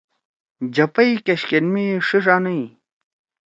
جپئی کیشکین می ݜیِݜ آنیئی۔